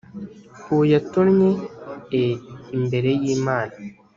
uwo yatonnye e imbere y imana